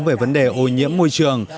về vấn đề ô nhiễm môi trường